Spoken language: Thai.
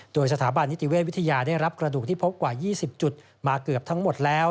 โดยสถาบันนิติเวชวิทยาได้รับกระดูกที่พบกว่า๒๐จุดมาเกือบทั้งหมดแล้ว